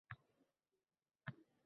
O’rta yo’lda tururman.